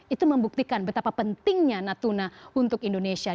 itu membuktikan betapa pentingnya natuna untuk indonesia